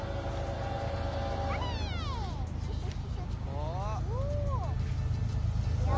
おお。いくよ。